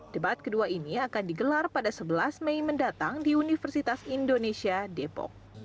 debat kedua ini akan digelar pada sebelas mei mendatang di universitas indonesia depok